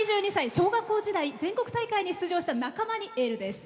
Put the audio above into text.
小学校時代、全国大会に出場した仲間にエールです。